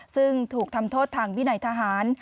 ซึ่งถูกทำโทษทางวินัยทหาร